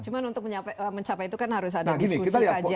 cuma untuk mencapai itu kan harus ada diskusi kajian dan lain sebagainya